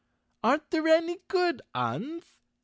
"Aren't there any good Uns?"